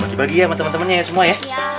bagi bagi ya sama temen temennya ya semua ya